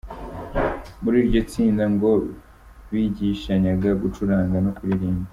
Muri iryo tsinda ngo bigishanyaga gucuranga no kuririmba.